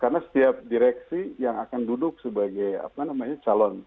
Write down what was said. karena setiap direksi yang akan duduk sebagai apa namanya calon